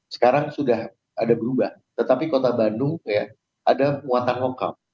sekarang sudah ada berubah tetapi kota bandung ada muatan lokal